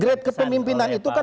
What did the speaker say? great kepemimpinan itu kan